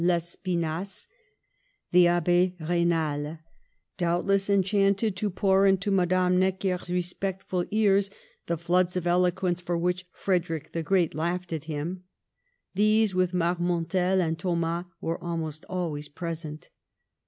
L'Espi nasse ; the Abbd Raynal, doubtless enchanted to pour into Madame Necker's respectful ears the floods of eloquence for which Frederick the Great laughed at him ; these, with Marmontel and Thomas, were almost always present.